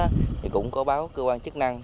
thì cũng có báo cơ quan chức năng